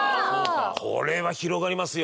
これは広がりますよ。